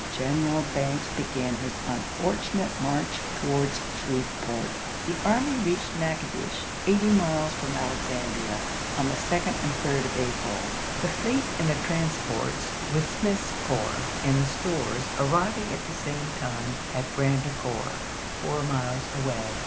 General Banks began his un fortunate march towards Shreveport. The army reached Natchitoches, eighty miles from Alexandria, on the 2d and 3d of April, the i864. fleet and the transports with Smith's corps and the stores arriving at the same time at Grand Ecore, four miles away.